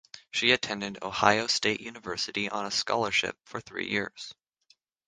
She attended Ohio State University on a scholarship for three years.